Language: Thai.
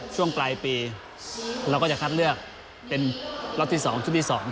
ช่วงปลายปีเราก็จะคัดเลือกเป็นรอบที่๒ชุดที่๒